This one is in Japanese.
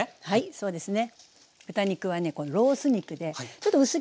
そうですか。